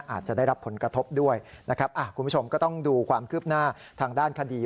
อาจจะได้รับผลกระทบด้วยนะครับคุณผู้ชมก็ต้องดูความคืบหน้าทางด้านคดี